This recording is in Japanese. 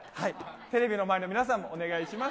テレビの前の皆さんもお願いします。